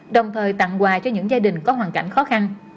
đồng thời tặng quà cho những gia đình có hoàn cảnh khó khăn